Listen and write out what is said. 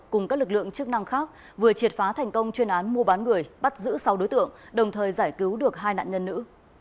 cùng các lực lượng chức năng khác vừa triệt phá thành công chuyên án mua bán người bắt giữ sáu đối tượng đồng thời giải cứu được hai nạn nhân nữ